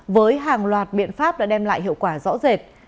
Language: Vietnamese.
với hàng loạt biện pháp đã đem lại hiệu quả rõ rệt